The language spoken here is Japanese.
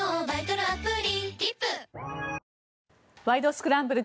スクランブル」